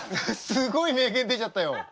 すごい名言出ちゃったよ。